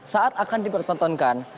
saat akan dipertontonkan